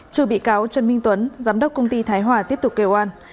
trừ bị cáo trần minh tuấn giám đốc công ty thái hòa tiếp tục kêu an